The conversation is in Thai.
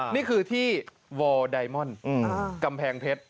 นี่คือที่วอร์ไดมอนด์กำแพงเพชร